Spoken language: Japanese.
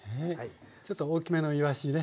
ちょっと大きめのいわしね